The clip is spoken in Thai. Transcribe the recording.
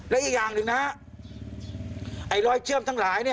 และอีกอย่างหนึ่งนะรอยเชื่อมทั้งหลาย